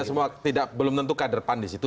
karena belum tentu kader pan disitu